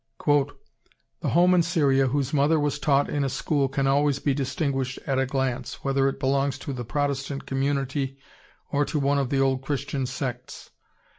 "The home in Syria whose mother was taught in a school can always be distinguished at a glance, whether it belongs to the Protestant community or to one of the old Christian sects.